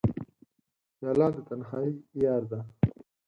پیاله د تنهایۍ یاره ده.